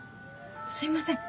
すいません